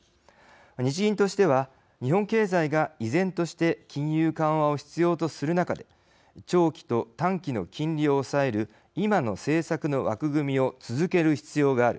日銀としては、日本経済が依然として金融緩和を必要とする中で長期と短期の金利を抑える今の政策の枠組みを続ける必要がある。